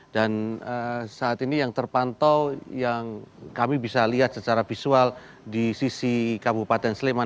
dan saat ini yang terpantau yang kami bisa lihat secara visual di sisi kabupaten sleman